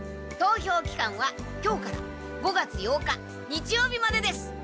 投票期間は今日から５月８日日曜日までです。